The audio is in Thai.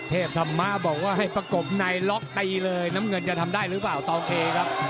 ธรรมะบอกว่าให้ประกบในล็อกตีเลยน้ำเงินจะทำได้หรือเปล่าตองเคครับ